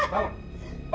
dia sudah mendatanginya